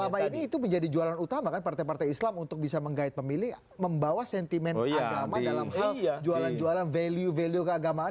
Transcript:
selama ini itu menjadi jualan utama kan partai partai islam untuk bisa menggait pemilih membawa sentimen agama dalam hal jualan jualan value value keagamaan